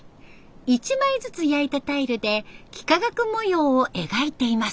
一枚ずつ焼いたタイルで幾何学模様を描いています。